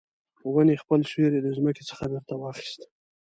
ونې خپل سیوری د مځکې څخه بیرته واخیست